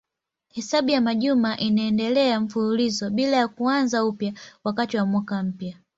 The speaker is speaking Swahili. Hesabu ya majuma inaendelea mfululizo bila ya kuanza upya wakati wa mwaka mpya.